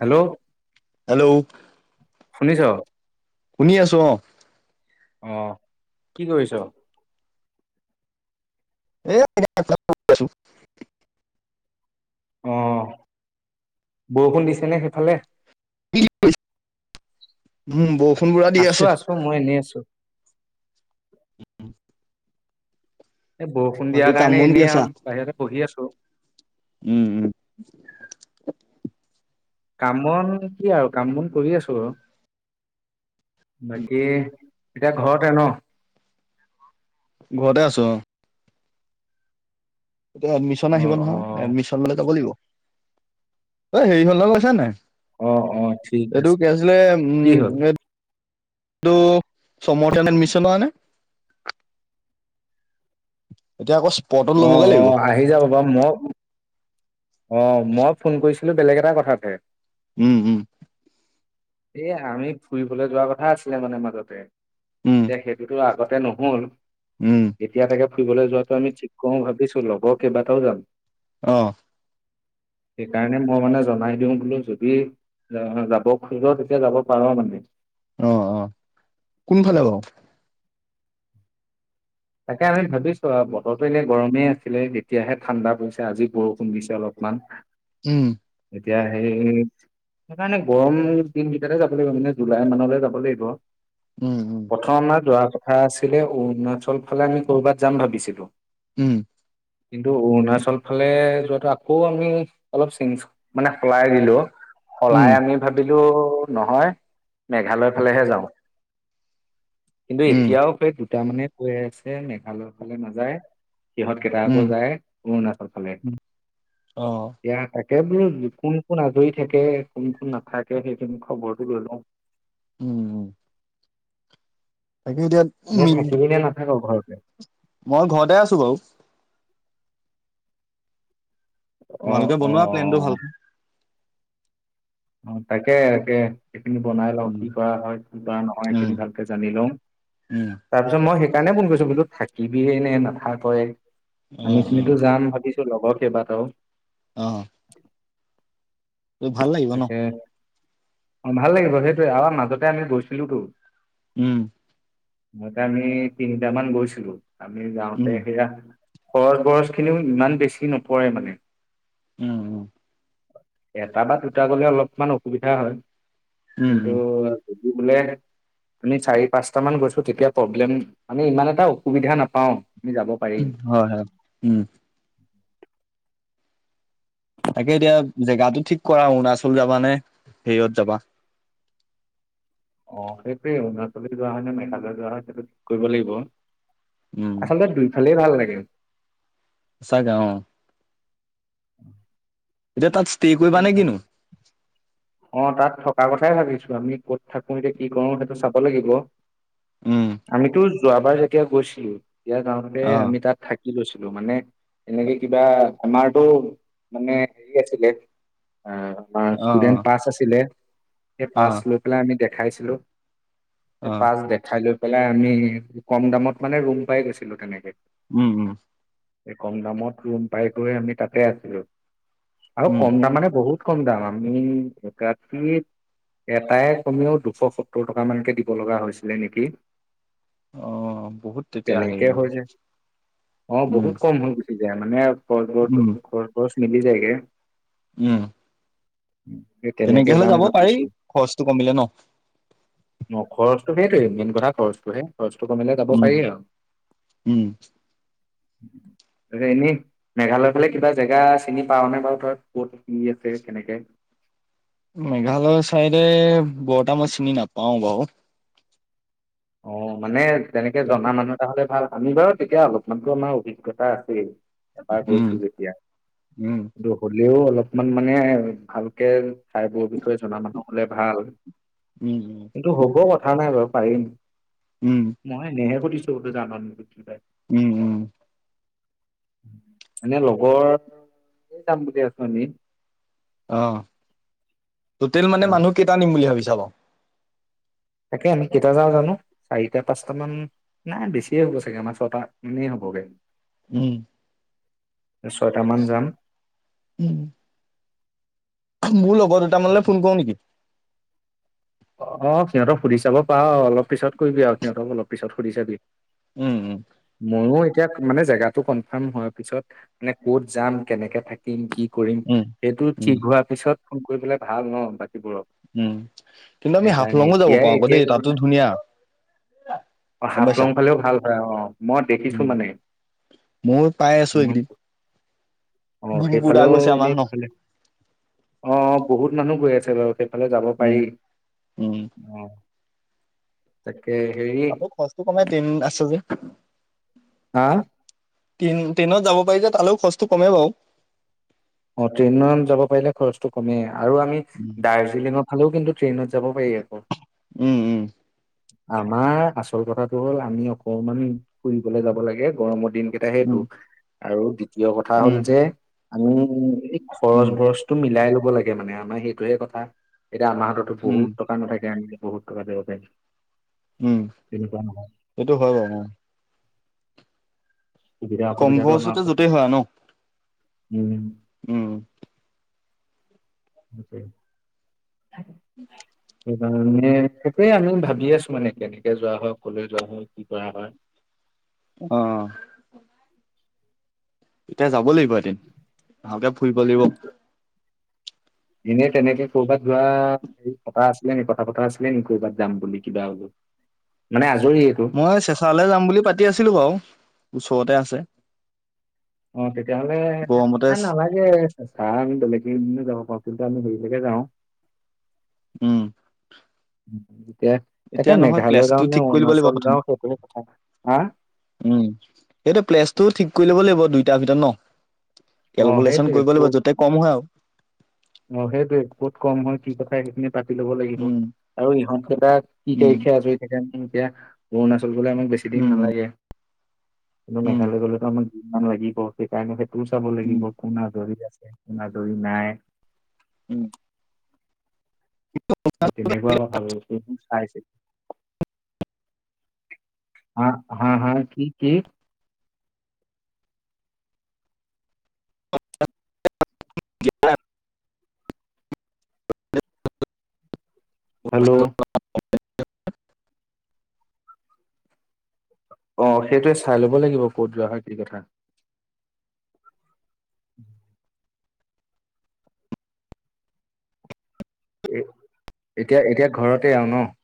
Hello hello শুনিছ শুনি আছো অ আহ কি কৰিছ আছো [unintelligible] অ বৰষুণ দিছে নে সেইফালে উম ব আছো আছো মই এনেই আছো উ [inaudible] এই বৰষুণ দিয়াৰ কাম কাৰণে বন কি এনেই আছা আৰু বাহিৰতে বহি আছো উম উম কাম বন কি আৰু কাম বন কৰি আছো আৰু বাকী এতিয়া ঘৰতে ন ঘৰতে আছো অ এতিয়া এডমিশ্যন অ আহিব অ নহয় এডমিশ্যন ল'লে যাব লাগিব অ হেৰি ঘৰলে গৈছা নাই অ অ ঠিক এইটো আছে কি আছিলে কি উম হ'ল কিটো সমৰথন এড মিছন নে [unintelligible] এতিয়া আক অ অ আহি যাব বাৰু ম অ মই ফোন কৰিছো বেলেগ এটা কথাতে উম উম এ আমি ফুৰিবলৈ যোৱা কথা আছিলে মানে মাজতে উম এতিয়া সেইটোতো আগত এতিয়া নহ'ল উম এতিয়া তাকে ফুৰিবলৈ যোৱাত আমি ঠিক কৰো ভাবিছো লগৰ কেইবাটাও যাম আহ সেইকাৰণে মই মানে জনাই দিও বোলো যদি যাব খোজা তেতিয়া যাব পাৰা মানে অ অ কোনফালে বাৰু তাকে আমি ভাবিছো আৰু বতৰো এনে গৰমেই আছিলে এতিয়াহে ঠাণ্ডা পৰিছে আজি বৰষুণ দিছে অলপমান উম এতিয়া সেই সেইকাৰণে গৰম দিন কেইটাতে যাব লাগিব মানে জুলাই মানলৈ যাব লাগিব উম উম প্ৰথম [unintelligible] মই যোৱা কথা আছিলে অৰুণাচল ফালে আমি কৰ'বাত যাম ভাবিছিলো উম কিন্তু অৰুণাচল ফালে যোৱাটো আকৌ আমি অলপ চি মানে সলাই দিলো উম সলাই আমি ভাবিলো তো নহয় মেঘালয় ফালেহে যাওঁ কিন্তু উম এতিয়াও হে তাৰ মানে কৈ আছে। মেঘালয় ফালে নাযায়, সিহঁত কেইটা আকৌ উম যায় অৰুণাচল ফালে অ এতিয়া হেই তাকে । তাকে বোলো কোন কোন আজৰি থাকে, কোন কোন নাথাকে সেইটো মই খবৰটো লৈ লও। উম উম। তাকে এতিয়া উম, অঁ। মই ঘৰতে আছো বাৰু। অ তোমালোকে অ বনোৱা প্লেনটো ভালকে। অ তাকে তাকে। সেইখিনি বনাই লওঁ উম, কি কৰা হয় কি বা নহয়। সেইখিনি উম, ভালকে জানি লওঁ উম, তাৰ পিছত মই, সেইকাণে ফোন কৰিছো বোলো থাকিবিয়ে নে নাথাকয়। আমি অ', খিনিতো যাম ভাবিছো। লগও কেবাতাও, আহ। ভাল লাগিব তাকে। অ ভাল লাগিব সেইটোয়ে, আৰ মাজতে আমি গৈছিলোতো। উম। মুঠ আমি তিনিটামান গৈছিলো। আমি গাওঁতে উম, সেয়া, খৰচ বৰচ খিনিও ইমান বেছি নপৰে মানে।। উম উম এটা বা দুটা। দুটা গলে অলপমান অসুবিধা হয় উম, কিন্তু, উম, বোলে আমি চাৰি পাঁচটা মান গৈছো তেতিয়া প্ৰব্লেম আমি ইমান এটা অসুবিধা নাপাও, হয় হয় উম। তাকে এতিয়া জেগাতটো ঠিক কৰা অৰুণাচল যাবা নে হেৰিয়ত যাবা। অ সেইটোৱে অৰুণাচলে যোৱা হয় নে, মেঘালয় যোৱা হয় সেইটো ঠিক কৰিব লাগিব। উম, আচলতে দুইফালে ভাল। তাকে। আ গাঁওৱ [unintelligible] উ [unintelligible] এতিয়া তাত, ষ্টে কৰিবা নে কিনো? অ তাত থ [unintelligible] তাৰ কথাই ভাবিছো, ।আমি কত থাকো এতিয়া কি কৰো সেইটো চাব লাগিব উম, আমিতো যোৱাবাৰ যেতিয়া গৈছিলো তেতিয়া গাঁৱতে অ', আমি তাত থাকি লৈছো মানে এনেকে কিবা আমাৰতটো মানে হেৰি আছিলে অ আমাৰ অ', ষ্টুডেন্ট পাছ আছিলে এই পাছ অ', লৈ পেলাই আমি দে খাইছিলো সেই অ', পাছ দেখাই লৈ পেলাই আমি কম দামত মানে ৰুম পাই গৈছিলো তেনেকে উম উম কম দামত ৰুম পাই গৈ আমি তাতে আছিলো উম, কম দাম মানে বহুত কম দাম আমি একাতি এটাই কমেও দুশ সত্তৰ টকামানকে দিব লগা হৈছিলে নেকি অ', বহুত তেতিয়া হেৰি তেনেকে দেখোন, হৈছে অ উম, বহুত কম হৈ গুচি এয়া মানে আৰু ঘৰ উম, ঘৰ খৰচ নিবিজাইগে উম সেই তেনেকে হলে যাম যাব পাৰি ভাবিছো খৰচটো কমিলে ন ন খৰচটো সেইটোৱে, মেইন কথা খৰচটোহে খৰচতো কমিলে যাব উম, পাৰি আৰু উম, ত এনেই মেঘালয় ফালে কিবা জেগা চিনি পাও নে বাৰু তই কত কি আছে কেনেকে মেঘালয় চাইডে বৰতা ম‌ই চিনি নাপাওঁ বাও অ মানে তেনেকে জনা মানুহ এটা হ'লে ভাল আমি বাও তেতিয়া অলপমানতো আমাৰ অভিজ্ঞতা আছেই এবাৰ গৈছো উম, যেতিয়া উম, কিন্তু হ'লেও অলপ অলপমান মানে ভালকে ঠাইবোৰৰ বিষয়ে জনা মানুহ হলে ভাল উম, কিন্তু হ'ব কথা নাই বাৰু পাৰিম উম, মই নেহেৰ খতি তহতি জান নেকি কি পাই উম উম এনে লগৰ যাম বুলি আছো আমি আহ টোটেল মানে মানুহ কেইটা নিম বুলি ভাবিছ। যাব। তাকে আমি কেইটা যাওঁ জানো চাৰিটা পাঁচটা মান নাই বেছিয়ে হ'ব চাগে আমাৰ ছটা মানেই হবগে। উম। ছয়টা মান যাম। উম, মোৰ লগৰ দুটামানলৈ ফোন কৰো নেকি? অ সিহঁতক সুধি চাব পাঅ অলপ পিছত কৰিবি আও সিহঁতক অলপ পিছত সুধি চাবি? উম উম। মোৰ এতিয়া মানে জেগটো কনফাৰ্ম হোৱা পিছত মানে কত যাম কেনেক থাকিম? কৰিম উম। সেইটো উম, ঠিক হোৱাৰ পিছত? ফোন কৰি পেলাই ভাল ন বাকীবোৰক। উম। কিন্তু আমি সেইকাৰণে হাফলঙো যাব এতিয়াই পাৰো আকৌ এতিয়াই দেই তাতো ধুনীয়া অ গম পাইছা? হাফলং ফালেও ভাল হয়, অ মই দেখিছো উম। মানে ময়ো পাই আছো মই এইকেইদিন অ ডিম্পু দা সেইফালেও গৈছে এনে আমাৰ ন? ভাল অ বহুত মানুহ গৈ আছে? চল। সেইফালে যাব পাৰি? উম, উম। অ তাকে। হেৰি আকৌ খৰচটো কমাই তিন আছে যে? [inaudible] [unintelligible] হা। টেইন ট্ৰেইনত যাব পাৰি যে তালৈও খৰচটো কমেই বাৰু? অ ট্ৰেইনত যাব পাৰিলে খৰচটো কমেই আৰু। আৰু আমি উম, দাৰ্জিলিঙত। হ'লেও কিন্তু ট্ৰেইনত যাব পাৰি আকৌ? উম উম। আমাৰ আচল কথাটো হ'ল আমি অকনমান ফুৰিবলে যাব লাগে গৰমৰ দিন? এতিয়া সেইটো? আৰু। কিয় কথা হ'ল উম, যে। আমি। উম। উম, খৰচ বৰচ টো মিলাই ল। হব লাগে মানে আমাৰ সেইটোয়ে কথা। এতিয়া আমাৰ হাততটো উম, বহুত টকা নাথাকে আনে? বহুত টকা দিব পাৰি? উম সেইটো হয় বাৰু, অ সুবিধা কম অসুবিধাটো আমাৰ খৰচতে ওপৰত। য'তেই হয় ন । উম । উম । নিশ্চয় । উম । সেইকাৰণে সেইটোয়ে আমি ভাবি আছো মানে কেনেকে যোৱা হয় কলৈ যোৱা হয় কি কৰা হয় । অ' এতিয়া যাব লাগিব? লাগিব এদিন ভালকে ফুৰিব লাগিব। এনেই তেনেকে কবাত যোৱা কথা আছিলে নেকি কথা পতা আছিলে নেকি ক'বাত যাম বুলি কিবা হলেও মানে আজৰি সময়। মই চেঁচালে যাম বুলি পাতি আছিলো বাৰু ওচৰতে আছ। তেহ। অ তেতিয়াহলে নালাগে চা আমি বেলেগেই যাব পাৰো । কিন্তু আমি দেৰি লৈকে যাওঁ । উম । উ এতিয়া নহয় প্লাছটো ঠিক কৰি লব লাগিব প্ৰথম যাওঁ সেইটোহে কথা হা উম সেইটো প্লাছটোও ঠিক কৰি ল'ব লাগিব দুই ভিতৰত ন অ কেলকুলেশ্যন সেইটোৱে কৰিব লাগিব ক'ত য'তেই কম হয় আৰু অ সেইটোোৱে কত কম হয় কি কথা সেইখিনি পাতি ল'ব লাগিব উম আৰু ইহিত কটা কি উম তাৰিখে আজৰি থাকে আ পুৰণা চলিবলে আমাক বেছি দিন উম নালাগে কিন্তু উম মেঘালয় গ'লেতো আমাক, মানুহ লাগি বহু সেই কাৰণে তোৰ চাব উম লাগিব কোন আজৰি আছে? কোনো আজৰি নাই উম তেনেকুৱা কথা বোৰ চাইছে হা হা কি কি? হেল্ল' অ সেইটোৱে চাই ল'ব লাগিব ক'ত যোৱা হয়, কি কথা? [unintelligible] এ এতিয়া এতিয়া ঘৰতে আও ন ।